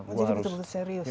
jadi begitu serius ya